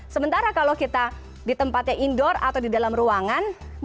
sementara kalau kita di tempatnya indoor atau di dalam ruangan mungkin tidak akan lebih luas